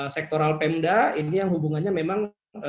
sektor alpemda ini yang hubungannya memang